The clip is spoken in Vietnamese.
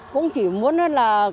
cũng chỉ muốn là